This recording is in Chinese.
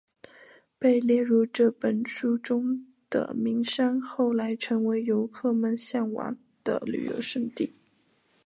被列入这本书中的名山后来成为游客们向往的游览胜地。